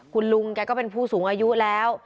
คุณลุงแกก็เป็นผู้สูงอายุแล้ว